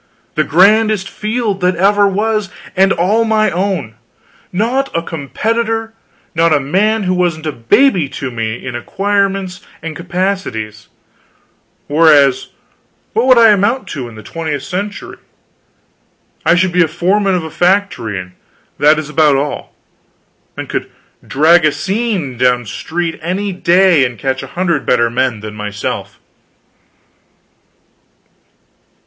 The grandest field that ever was; and all my own; not a competitor; not a man who wasn't a baby to me in acquirements and capacities; whereas, what would I amount to in the twentieth century? I should be foreman of a factory, that is about all; and could drag a seine down street any day and catch a hundred better men than myself.